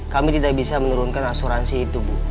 kami tidak bisa menurunkan asuransi itu bu